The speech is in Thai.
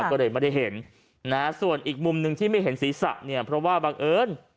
ก็เลยไม่ได้เห็นนะฮะส่วนอีกมุมหนึ่งที่ไม่เห็นศีรษะเนี่ยเพราะว่าบังเอิญ